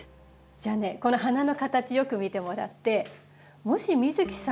じゃあねこの花の形よく見てもらってもし美月さんがね